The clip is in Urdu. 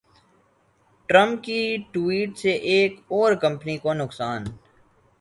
ٹرمپ کی ٹوئیٹ سے ایک اور کمپنی کو نقصان